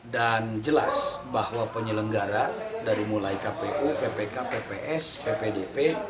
dan jelas bahwa penyelenggara dari mulai kpu ppk pps ppdp